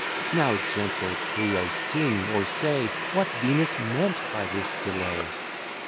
Now, gentle Clio, sing, or say What Venus meant by this delay?